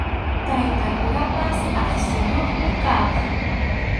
Tayta kurapas aqsuyuqmi kaq.